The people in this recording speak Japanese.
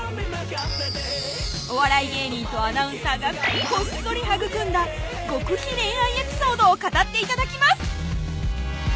お笑い芸人とアナウンサーがコッソリ育んだ極秘恋愛エピソードを語って頂きます